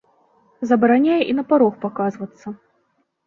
Забараняе і на парог паказвацца.